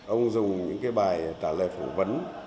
ông dùng những bài trả lời phỏng vấn